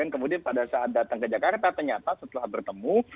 kemudian pada saat datang ke jakarta ternyata setelah bertemu